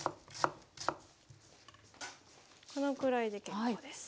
このくらいで結構です。